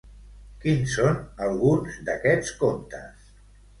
Quins són alguns d'aquests contes?